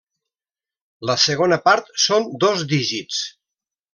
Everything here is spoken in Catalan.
La segona part són dos dígits.